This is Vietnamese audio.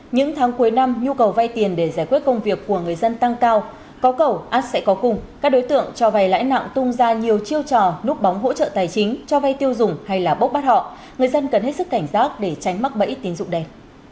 những tháng cuối năm nhu cầu vay tiền để giải quyết công việc của người dân tăng cao có cầu át sẽ có cùng các đối tượng cho vay lãi nặng tung ra nhiều chiêu trò núp bóng hỗ trợ tài chính cho vay tiêu dùng hay là bốc bắt họ người dân cần hết sức cảnh giác để tránh mắc bẫy tín dụng đen